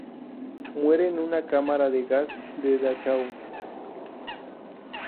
Muere en una cámara de gas de Dachau.